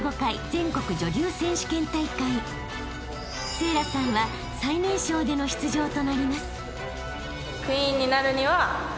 ［聖蘭さんは最年少での出場となります］